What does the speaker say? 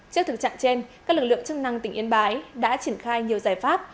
trước thực trạng trên các lực lượng chức năng tỉnh yên bái đã triển khai nhiều giải pháp